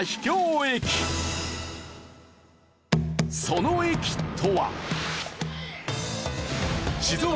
その駅とは。